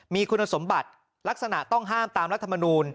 มีคุณสมบัติลักษณะต้องห้ามตามรัฐมนูล